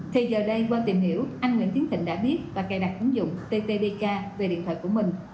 thì giờ đây qua tìm hiểu anh nguyễn tiến thịnh đã biết và cài đặt ứng dụng ttdk về điện thoại của mình